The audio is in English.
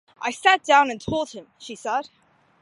"I sat down and told him", she said.